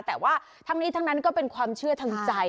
แต่ว่าทั้งนี้ทั้งนั้นก็เป็นความเชื่อทางใจ